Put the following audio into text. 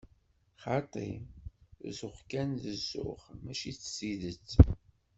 Xaṭi, zuxx kan d zzux, mačči s tidet.